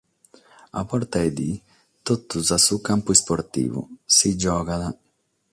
A borta de die totus a su campu isportivu, si giogat!